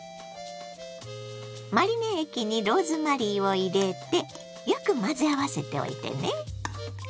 マリネ液にローズマリーを入れてよく混ぜ合わせておいてね。